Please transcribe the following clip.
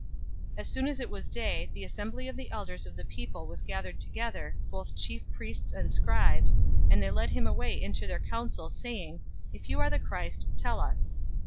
022:066 As soon as it was day, the assembly of the elders of the people was gathered together, both chief priests and scribes, and they led him away into their council, saying, 022:067 "If you are the Christ, tell us."